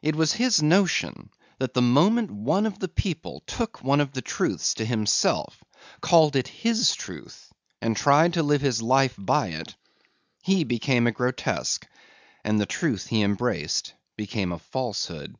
It was his notion that the moment one of the people took one of the truths to himself, called it his truth, and tried to live his life by it, he became a grotesque and the truth he embraced became a falsehood.